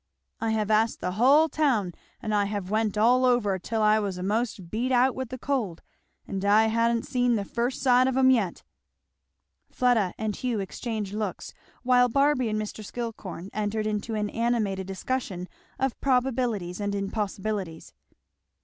"I have asked the hull town, and I have went all over, 'till I was a'most beat out with the cold, and I ha'n't seen the first sight of 'em yet!" Fleda and Hugh exchanged looks, while Barby and Mr. Skillcorn entered into an animated discussion of probabilities and impossibilities.